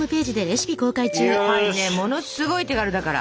これねものすごい手軽だから。